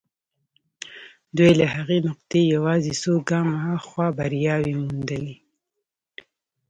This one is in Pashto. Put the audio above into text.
دوی له هغې نقطې يوازې څو ګامه هاخوا برياوې موندلې.